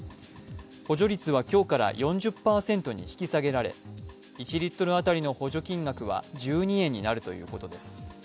補助率は今日から４０％に引き下げられ、１リットル当たりの補助金額は１２円になるということです。